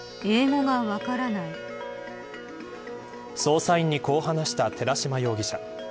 捜査員にこう話した寺島容疑者。